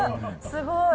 すごい。